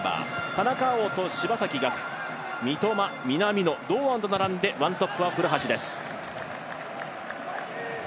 田中碧と芝崎、三笘、南野、堂安と並んでワントップは古橋です。